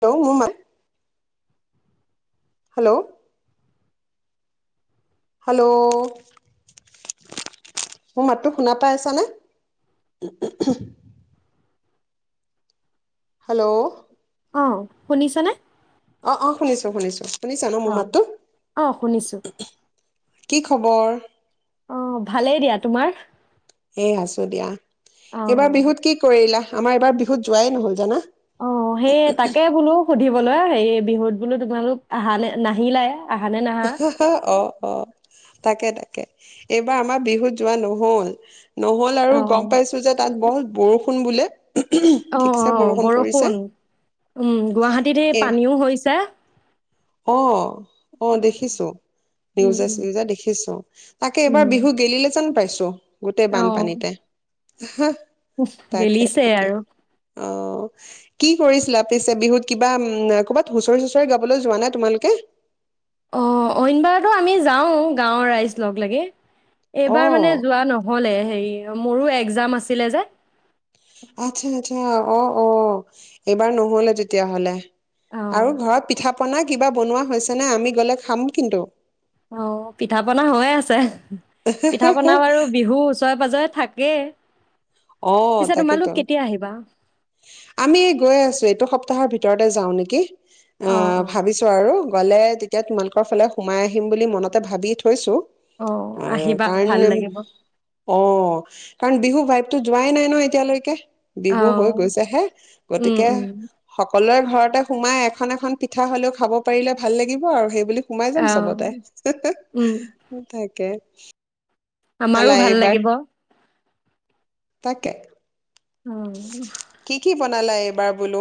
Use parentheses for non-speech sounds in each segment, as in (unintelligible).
হ মম (unintelligible) hello hello, মোৰ মাতটো শুনা পাই আছানে? হেল্ল' অঁ, শুনিছানে? অঁ, অঁ শুনিছো শুনিছো। সুনিচে নঁ মোৰ অঁ মাতটো? অঁ শুনিছো কি খবৰ? অঁ ভালেই দিয়া। তোমাৰ? এ আছো দিয়া। এইবাৰ অঁ বিহুত কি কৰিলা? আমাৰ এইবাৰ বিহত যোৱাই নহ'ল, জানা। অঁ সেই তাকে বোলো সুধিবলৈ হে বিহুত বোলো তোমালোক আহালে, নাহিলাই। আহা নে নাহা অঁ- অঁ তাকে তাকে। এইবাৰ আমাৰ বিহুত যোৱা নহল। নহ'ল আৰু অঁ গম পাইছো যে তাত বহত বৰষুণ বোলে। অঁ ঠিকছে অঁ পৰিছে বৰষুণ, উম গুৱাহাটীত এই পানীও হৈছে। অঁহ। অঁ অ, দেখিছো, উম নিউজে উম চিউজে দেখিছো, তাকে এবাৰ উম বিহু গেলিলে যেন পাইচো। গোটেই বানপানীতে হ উ গেলিছে আৰু অঁ কি কৰিছিলা পিছে বিহুত কিবা ক'ৰবাত হুচৰি চুঁচৰি গাবলৈ যোৱা নাই তোমালকে আহ ঐইনবাৰতো আমি যাওঁ গাঁৱৰ ৰাইজ লগ লাগে এইবাৰ মানে অ', যোৱা নহলে হেৰি মোৰো এক্জাম আছিলে যে আচ্ছা আচ্ছা অঁ অঁ এইবাৰ নহলে তেতিয়া হলে অঁ আৰু ঘৰত পিঠা পনা কিবা বনোৱা হৈছে নে আমি গ'লে খাম কিন্তু অঁ পিঠা পনা হৈয়ে আছে পিঠা বনাম আৰু বিহু ছয় বজৰে থাকে অ', পিছো তাকেতো। তোমালোক কেতিয়া আহিবা আমি গৈ আছো এইটো সপ্তাহৰ ভিতৰতে যাওঁ নেকি অ অঁ অ ভাবিছো আৰু গ'লে তেতিয়া তোমালোকৰ ফালে সোমাই আহিম বুলি মনতে ভাবি থৈছোঁ অ আহ আহিবা ভাল কাৰণে লাগিব অ কাৰণ বিহু ভাইতো যোৱাই নাই ন এতিয়ালৈকে অ বিহু হয় গৈছেহে উম গতিকে উম সকলোৰে ঘৰতে সোমাই এখন এখন পিঠা হ'লেও খাব পাৰিলে ভাল লাগিব আৰু সেইবুলি সোমাই যাম অ চবতে উম থাকে হয় আমাৰো ভাল লাগিব তাকাকে অঁঅঁ নলই এইবাৰ বোলো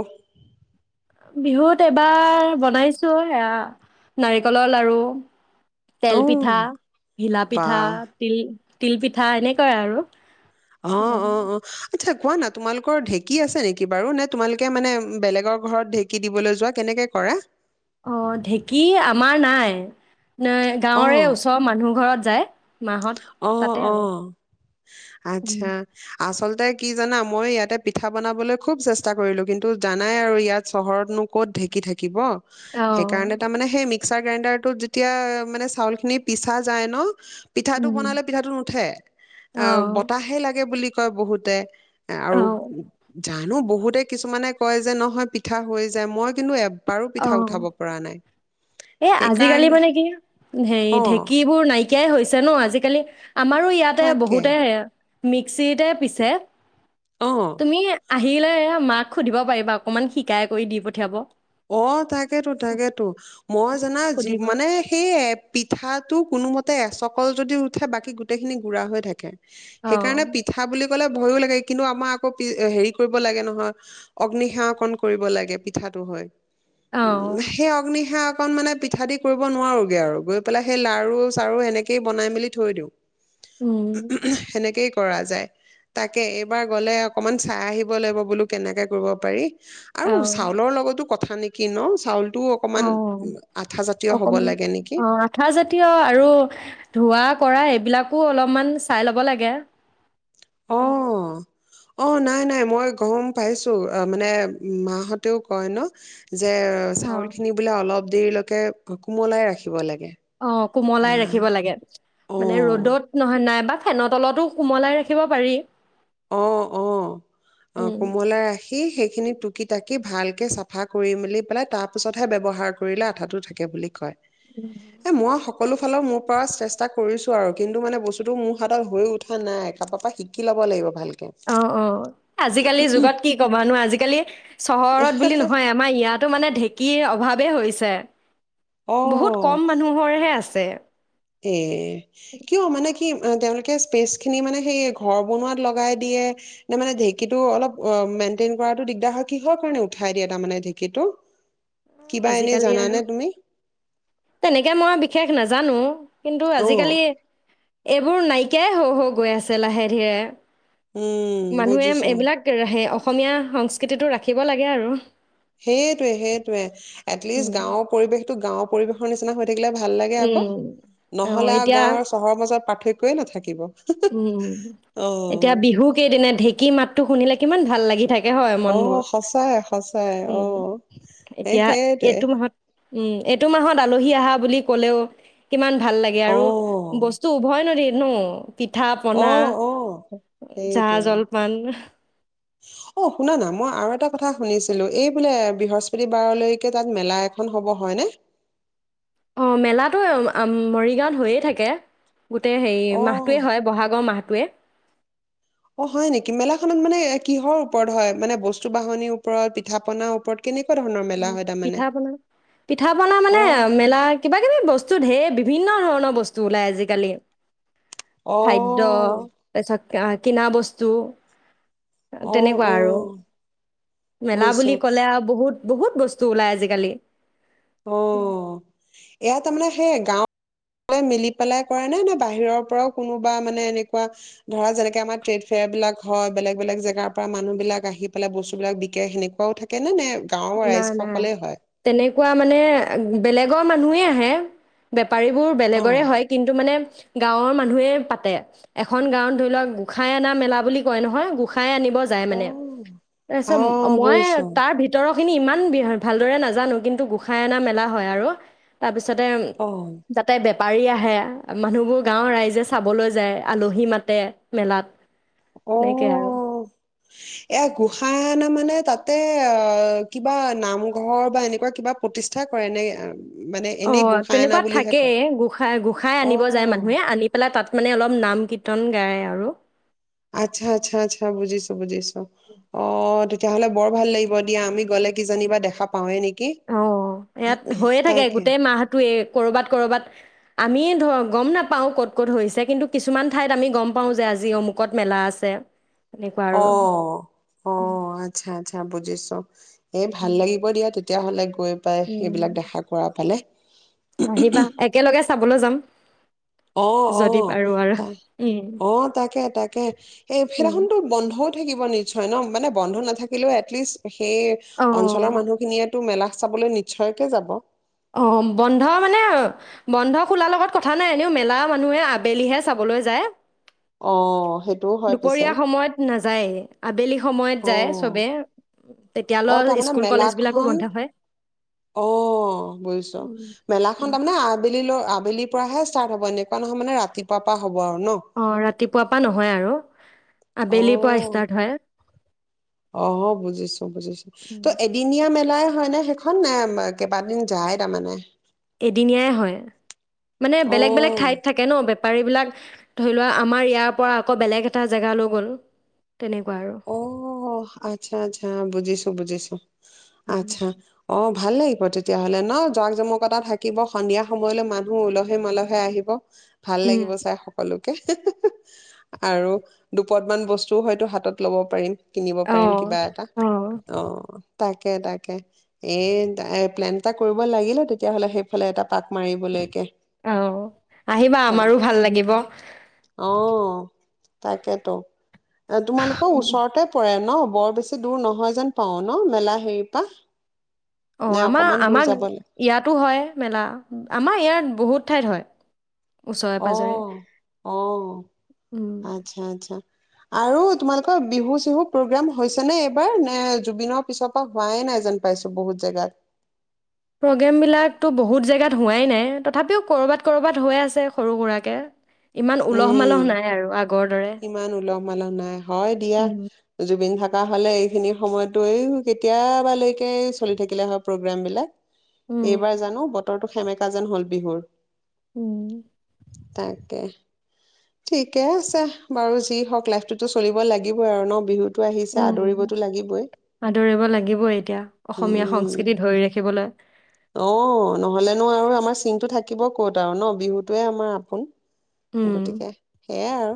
বিহুত এবাৰ বনাইছো চ সেয়া নাৰিকলৰ লাৰু অ তেল পিঠা ঘিলা পিঠা বাহ তিল তিলপিঠা এনেকুৱাই আৰু অঁ অঁ অ অঁ আচ্ছা কোৱা না তোমালোকৰ ঢেঁকী আছে নেকি বাৰু নে তোমালোকে মানে বেলেগৰ ঘৰত ঢেঁকী দিবলৈ যোৱা কেনেকে কৰা অ ঢেঁকী আমাৰ নাই নাই গাঁৱৰে অ', ওচৰৰ মানুহ ঘৰত যায় মাহত অ তাতে অ আৰু উম, আচ্ছা আচলতে কি জানা মই ইয়াতে পিঠা বনাবলৈ খুব চেষ্টা কৰিলোঁ কিন্তু জানাই আৰু ইয়াত চহৰতনো ক'ত ঢেঁকী থাকিব অ সেইকাৰণে তাৰ মানে সেই মিক্সাৰ গ্ৰাইণ্ডাৰতত যেতিয়া মানে চাউল খিনি পিছা যায় ন পিঠাটো উম বনালে পিঠাটো নুঠে অ', আহ বতাহে লাগে বুলি হয় বহুতে আৰু অ', উ জানো বহুতে কিছুমানে কয় যে নহয় পিঠা হৈ যায় মই কিন্তু এবাৰো পিঠা উঠাব পৰা নাই এ আজিকালি সেইকাৰণে মানে কি ঢে অ ঢেকিবোৰ নাইকিয়া কিয়াই হৈছে ন আজিকালি আমাৰো ইয়াতে তাকে বহুতে মিক্সিতে পিছে অ তুমি আহিলে মাক সুধিব পাৰিবা অকমান শিকাই কৰি দি পঠিয়াব অ তাকেতো তাকেতো মই জানা সুধি কৰি মানে সেই পিঠাত কোনোমতে এচকল যদি উঠে বাকী গোটেই খিনি গুৰা হৈ থাকে সেইকাৰণে অ', পিঠা বুলি পিঠা বুলি ক'লে ভয়ো লাগে কিন্তু আমাৰ আকৌ পি হেৰি কৰিব লাগে নহয় অগ্নি সেৱা কণ কৰিব লাগে পিঠাটো হৈ উ অ', সেই অগ্নিশাক কন মানে পিঠা দি কৰিব নোৱাৰোগে আৰু গৈ পেলাই সেই লাৰু চাৰু এনেকেই বনাই মেলি থৈ দিওঁ উম, সেনেকেই কৰা যায় তাকে এইবাৰ গ'লে অকমান চাই আহিব লাগিব বোলো কেনেকে কৰিব পাৰি আৰু অ', চাউলৰ লগতো কথা নেকি ন চাউল অ অকমান লাগে নেকি অ আঠা জাতীয় আৰু ধোঁৱা কৰা এইবিলাক কো অলপমান চাই ল'ব লাগে অ অ নাই নাই মই গম পাইছো মানে মাহতেও কয় ন যে অ', চাউলখিনি বোলে অলপ দেৰিলৈকে কুমলাই ৰাখিব লাগে অ কোমলাই আহ, ৰাখিব লাগে অ মানে ৰ'দত নহয় নাইবাক ফেনৰ তলতো সোমলাই ৰাখিব পাৰি অ অ অ উম, কোমলা ৰাখি সেই খিনি টুকি তাকি ভাল কেে চাফা কৰি মেলি পেলাই তাৰ পিছতহে ব্যৱহাৰ কৰিলে আঠা টো থাকে বুলি কয় এ মই সকলো ফালৰ মোৰ পৰা চেষ্টা কৰিছোঁ আৰু কিন্তু মানে বস্তুটো মোৰ হাতত হৈ উঠা নাই কাৰোৰ পৰা শিকি ল'ব লাগিব ভালকে অ অ আজিকালি যুগত কি ক'বানো আজিকালি চহৰত বুলি নহয় আমাৰ ইয়াতো মানে ঢেঁকীৰ অভাৱে হৈছে ছ বহুত অ কম মানুহৰ হে আছে তে এ কিয় মানে কি তেওঁলোকে স্পেচ খিনি মানে সৰ বন লগাই দিয়ে নে মানে ঢেকিতো টো অলপ মেইনেইন কৰাো দিগদাৰ হয় কিহৰ কাৰ উঠাই দিয়ে তাৰে আজিকালি আৰু তেনেকে মই বিশেষ নাজানো কিন্তু অ আজিকালি এইবোৰ নাইকিয়াই হ' হ গৈ আছে লাহে ধীৰে উম মানুহে বুজিছো এইবিলাকে অসমীয়া সংস্কৃতিটো ৰাখিব লাগে আৰু সেইটয়ে হেইটোৱে এটলিষ্ট উম, গাঁও পৰিৱেশ তো গাঁওৰ পৰিৱেশৰ নিচিনা হয় থাকিলে ভাল লাগে উম, আকৌ অ', নহলে আৰু এতিয়া গাৱৰ চৰৰ মত পাৰ্থক্যই নাথাকিব উম অ এতিয়া বিহু কেইদিনা ঢেঁকী মাত শুনিলে কিমান ভাল লাগি থাকে তাকে হয় মন অ বোৰ সঁচাই সঁচাই অ উম এ এতিয়া সেইটোৱে এইটো মাহত উম এইটো মাহত আলহী আহা বুলি ক'লেও কিমান ভাল লাগে আৰু অ বস্তু উভয় নদী ন পিঠা পনা অ', অ', জা সেইটোৱে জলপান অ শুনাানা মই আৰু এটা কথা শুনিছিলো এই বোলে বৃহস্পতিবাৰলৈকে তাত মেলা এখন হ'ব হয়নে অ মেলাটো মৰিগাঁৱত হৈয়ে থাকে গোটেই হেৰি অ', মাহটোৱে হয় বহাগৰ মাহ টোৱে অ হয় নেকি মেলাখনত মানে কিহৰ ওপৰত হয় মানে বস্তু বাহনিৰ ওপৰত পিঠা পনাাৰ ওপৰত কেনেকুৱা ধৰণৰ অ মেলা হয় তাৰমানে? পিঠা পনা পিঠা পনা মানে অ', মেলা কিবা কিবি বস্তু ত ধেৰ বিভিন্ন ধৰণৰ বস্তু ওলাই আজিকালি খাদ্য অ', পেচাক কিনা বস্তু অ', তেনেকুৱা আৰু অ', মেলা বুজিছো বুলি ক'লে আৰু বহুত বহুত বস্তু ওলাই আজিকালি অ এয়া তামানে সেই গাও মিলি পেলাই কৰা নে নে বাহিৰৰ পৰাও কোনোবা মানে এনেকুৱা ধৰা যেনেকে আমাৰ ট্ৰেড ফেয়াৰ বিলাক হয় বেলেগ বেলেগ জেগাৰ পৰা মানুহ বিলাক আহি পেলাই বস্তু বিিলাক বিকে সেনেকুৱাও থাকে নে নে গাঁৱৰ নাই নাই ৰাইজসকলে হয় তেনেকুৱা ব মানে বেলেগৰ মানুহেই আহে পাৰিবোৰ অ বেলেগৰে হয় কিন্তু মানে গাঁৱৰ মানুহে পাতে এখন গাঁৱত ধৰি লওক গোঁসাই অনা মেলা বুলি কয় নহয় গোসাই আন অ মানে তাৰিত অ মই বুজিছো তাৰ ভিত ইমান ভালদৰে নাজানো কিন্তু গোসাই অনা মেলা হয় আৰু তাৰ পিছত তাৰপিছতে অ যাতে পাৰি আহে মানুহবোৰ গাঁৱৰ ৰাইজে চাবলৈ যায় আলহী মাতে মেলাত অ তেনেকে আৰু এয়া গোসাঁই অনা মানে তাত তাতে অ কিবা নামঘৰ বা এনেকুৱা কিবা প্ৰতিষ্ঠা কৰে এনে অ তেনেকুৱা থাকেই গোঁসাই গোঁসাই আনিব যায় অ মানুহে আনি পেলাই তাত মানে অলপ নাম কীৰ্তন গায় আৰু আচ্ছা আচ্ছা আচ্ছা বুজিছো বুজিছো তেতিয়া হ'লে বৰ ভাল লাগিব দা আমি গ'লে কিজীিব বা দেখা পাওঁে নেকি অ ইয়াত হৈয়ে থাকে তাকে, গোটেই মাহটোোৱে কৰ'ৰবাত কৰ'বাত আমিে ধৰ গম নাপাওঁ ক'ত ক'ত হৈছে কিন্তু কিছুমান ঠাইত আমি গম পাওঁ যে আজি অমুকত মেলা আছে তেনেকুৱা আৰু অ' অ' আচ্ছা আচ্ছা বুজিছো। (unintelligible) এ ভাল লাগিব দিয়া তে তেতিয়াহ'লে গৈ পাই উম সেইবিলাক দেখা কৰা পালে আহিবা, একেলগে চাবলৈ যাম। অ অ যদি পাৰো আৰু ত উম অ তাকে তাকে কে এই উম ফেনখনতো বন্ধ থাকিব নিশ্চয় ন মানে বন্ধ নথাকিলেও এটলিষ্ট সেই অ অঞ্চলৰ মানুহখিনিয়েতো মেলা চাবলৈ নিশ্চয়কে যাব, অ' বন্ধ মানে বন্ধ খোলাৰ লগত কথা নাই এনেও মেলা মানুহে আবেলিহে চাবলৈ যায়। অ', সেইটোও হয় পিছে। দুপৰীয়া সময়ত নাযায়, আবেলি সময়ত যায় অ', চবে। অ' তেতিয়ালৈ তাৰমানে স্কুল মেলা কলেজ বিলাকো খন, বন্ধ হয় অ' বুইছ, উম মেলা উম খন তাৰমানে আবে আবেলিলৈ আবেলিৰ পৰা ষ্টাৰ্ট হব, এনেুকুৱা নহয় মানে ৰাতিপুৱা পৰা হব আৰু ন অ' ৰাতিপুৱাৰ পৰা নহয় আৰু অ আবেলিৰ পৰা ষ্টাৰ্ট হয়। অ' বুজিছো বুজিছো, ত উম, এদিনীয়া মেলা লাই হয় নে সেইখন, নে কেইবাদিন যায় তাৰমানমানে, এদিনীয়াই হয়। মানে অ বেলেগ বেলেগ ঠাইত থাকে ন, বে পিৰী বিলাক, ধৰি লোৱা আমাৰ আকৌ বেলেগ এটা জেগালৈ গ'ল। তেনেকুৱা আৰু অ' আচ্ছা আচ্ছা বুজিছো বুজিছো, উঃ আচ্ছা অ' ভাল লাগিব তেতিয়াহ'লে ন, জক জমকতা থাকিব, সন্ধিয়া সময়লৈ মানুহ উলহে মালহে আহিব। ভাল উম লাগিব চাই সকলো। আৰু দুপদমান বস্তু হয়তো হাতত ল'ব পাৰিম। কিনিব অ পাৰিম কিবা এটা, অ অ' তাকে তাকে এ এ প্লেন এটা কৰিব লাগিলে তেতিয়া হ'লে, সেইফালে এটা পাক মাৰিবলৈকে আহ আহিবা তাই আমাৰো ভাল লাগিব অ তাকেতো আকৌ ওচৰতে পৰে ন বৰ বেছি দূৰ নহয় যেন পাও ন মেলা হেৰিৰ পৰা অ নে আমাৰ অকমান দূৰ আমাৰ যাবলৈ ইয়াতো হয় মেলা আমাৰ ইয়াত বহুত ঠাইত হয় ওচৰে অ পজৰে অ আত্ছা আত্ছা আৰু তোমালোকৰ বিহু চিহু প্ৰগ্ৰোম হৈছে নে এইবাৰ নে জুবিনৰ পিছৰ পৰা হোৱাই নাই যেন পাইছো বহুত জেগাত। প্ৰগ্ৰেমবিলাকতো বহুত জেগাত হোৱাই নাই, তথাপিও কৰ'ৰবাত - ক'ৰবাত হৈ আছে সৰু সুৰাকে। ইমান উলহ উম মালহ নাই আৰু আগৰ দৰে। মাল নাই। হয়, দিয়া উম, জুবিন থাক থাকা হলে এইখিনি সময়তো এই কেতিয়াবালৈকে চলি থাকিলে হয় প্ৰগ্ৰম বিলাক। এইবাৰ উম, জানো উতৰটো সেমেকা যেন হল বিহুৰ। উম, তাকে ঠিকে আছে বাৰু যি হওঁক লাইফটোতো চলিব লাগিবই আৰু ন বিহুত। আহিছে উম, আদৰিবতো লাগিবই আদৰিব লাগিবই এতিয়া অসমীয়া উম', সংস্কৃতি ধৰি ৰাখিবলৈ। অহ', নহলেনো আৰু আমাৰ চিনতটো থাকিব ক'ত আৰু ন বিহুতোৱে আমাৰ আপোন উম, গতিকে, সেয়াই আৰু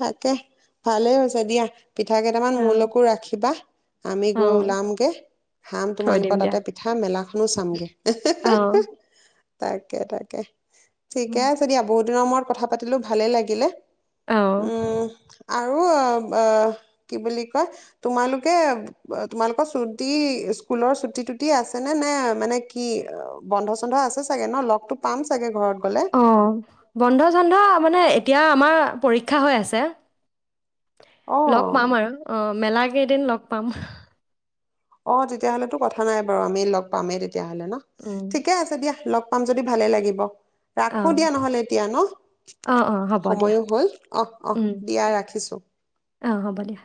তাকেই ভালেই হৈছে দিয়া। পিঠা কেইটামান অ', মোৰলৈকো ৰাখিবা আমি গৈ অ', ওলামগে খাম থৈ দিম তোমালোকৰ দিয়া। তাতে পিঠা মেলাখনো চামগে। এহ', হে - হে অ', - হে তাকে- তাকে ঠিকে উম, আছে দিয়া বহুত দিনৰ মূৰত কথা পাতিলো। ভালে লাগিলে। অহ ', উম আৰু কি বুলি কয় তোমালোকে - তোমালোকৰ চুটি স্কুলৰ চুটি তুটি আছে নে - নে মানে কি বন্ধ চন্ধ আছে চাগে ন লগতটো পাম চাগে ঘৰত গলে অ ', বন্ধ চন্ধ মানে এতিয়া আমাৰ পৰীক্ষা হৈ আছে। লগ অ পাম আৰু অ', মেলা কেইদিন লগ পাম। অ ', তেতিয়াহলেতো কথা নাই বাৰু আমি লগ পামেই তেতিয়া। তেতিয়া হলে ন উম, ঠিকে আছে দিয়া লগ পাম যদি ভালে লাগিব। ৰাখো অ', দিয়া নহলে এতিয়া ন', অ', অ', হ'ব দিয়া। সময়ো হল অহ ', - অহ উম, ', দিয়া ৰাখিছো। অ', হ'ব দিয়া।